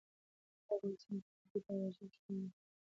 په افغانستان کې په طبیعي ډول رسوب شتون لري.